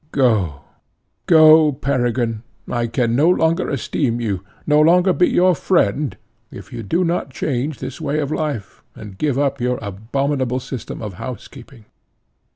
Go, go, Peregrine, I can no longer esteem you, no longer be your friend, if you do not change this way of life, and give up your abominable system of house keeping."